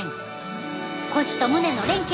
腰と胸の連係